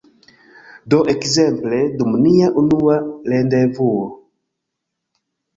Do, ekzemple, dum nia unua rendevuo